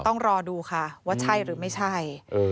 ต้องรอดูค่ะว่าใช่หรือไม่ใช่